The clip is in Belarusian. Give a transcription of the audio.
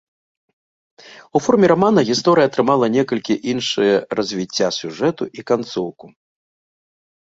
У форме рамана гісторыя атрымала некалькі іншыя развіцця сюжэту і канцоўку.